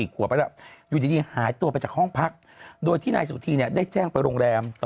ขวบไปแล้วอยู่ดีหายตัวไปจากห้องพักโดยที่นายสุธีเนี่ยได้แจ้งไปโรงแรม